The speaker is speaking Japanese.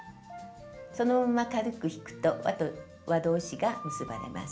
そのまま軽く引くとわ同士が結ばれます。